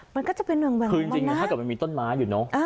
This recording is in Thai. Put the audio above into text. มันก็จะเป็นเหว่งแหว่งมานะคือจริงถ้ามันมีต้นไม้อยู่เนาะ